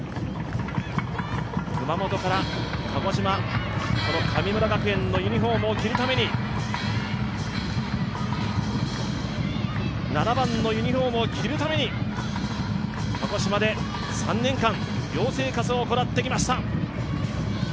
熊本から鹿児島の神村学園のユニフォームを着るために７番のユニフォームを着るために鹿児島で３年間寮生活を行ってきました。